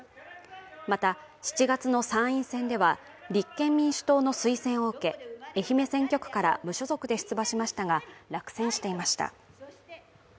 また、７月の参院選では立憲民主党の推薦を受け愛媛選挙区から無所属で出馬しましたが、落選していました。